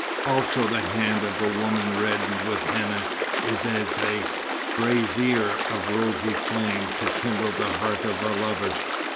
Also the hand of woman reddened with henna is as a brazier of rosy flame to kindle the heart of a lover.